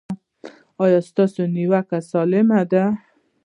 ایا ستاسو نیوکه سالمه ده؟